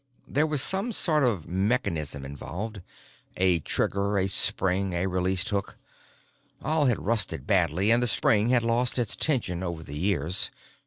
There was some sort of mechanism involved—a trigger, a spring, a release hook. All had rusted badly, and the spring had lost its tension over the years.